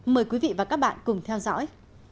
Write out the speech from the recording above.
mời quý vị và các bạn cùng theo dõi